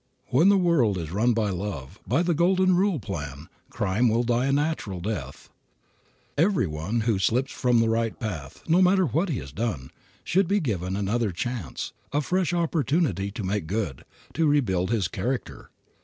When the world is run by love, by the Golden Rule plan, crime will die a natural death. Every one who slips from the right path, no matter what he has done, should be given another chance, a fresh opportunity to make good, to rebuild his character.